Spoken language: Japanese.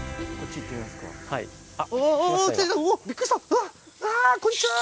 うわこんにちは。